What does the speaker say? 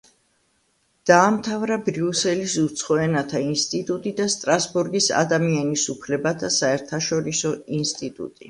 დაამთავრა ბრიუსელის უცხო ენათა ინსტიტუტი და სტრასბურგის ადამიანის უფლებათა საერთაშორისო ინსტიტუტი.